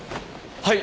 はい。